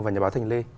và nhà báo thanh lê